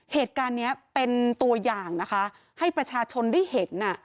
เหตุการณ์นี้เป็นตัวอย่างนะคะให้ประชาชนได้เห็น